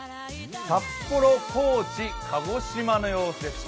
札幌、高知、鹿児島の様子です。